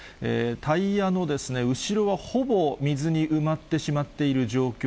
タイヤの後ろはほぼ水に埋まってしまっている状況。